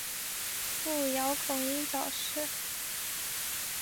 父姚孔瑛早逝。